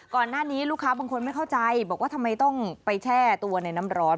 ก่อนหน้านี้ลูกค้าบางคนไม่เข้าใจบอกว่าทำไมต้องไปแช่ตัวในน้ำร้อน